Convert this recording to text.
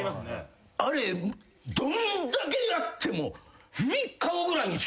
あれどんだけやっても。